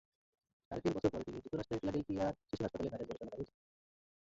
সাড়ে তিন বছর পরে তিনি যুক্তরাষ্ট্রের ফিলাডেলফিয়ার শিশু হাসপাতালে ভাইরাস গবেষণাগারে যোগ দেন।